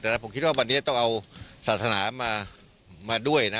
แต่ผมคิดว่าวันนี้ต้องเอาศาสนามาด้วยนะ